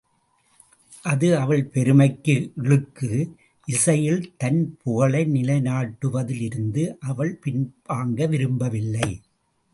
அது அவள் பெருமைக்கு இழுக்கு இசையில் தன் புகழை நிலை நாட்டுவதில் இருந்து அவள் பின்வாங்க விரும்பவில்லை.